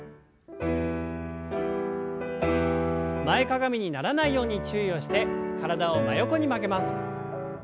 前かがみにならないように注意をして体を真横に曲げます。